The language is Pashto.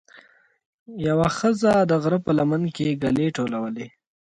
یوه ښځه د غره په لمن کې ګلې ټولولې.